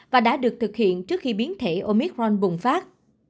và đã được thực hiện trước khi biến thể omicron bùng phát